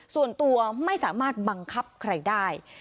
ส่วนตัวไม่สามารถบังคับใครได้